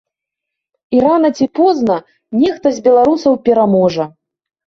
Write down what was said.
І рана ці позна нехта з беларусаў пераможа!